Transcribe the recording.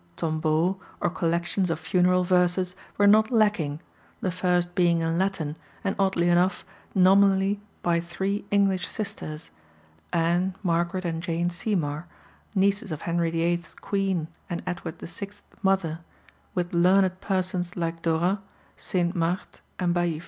Tombeaux, or collections of funeral verses, were not lacking, the first being in Latin, and, oddly enough, nominally by three English sisters, Anne, Margaret, and Jane Seymour, nieces of Henry VIII.'s queen and Edward VI.'s mother, with learned persons like Dorât, Sainte Marthe, and Baïf.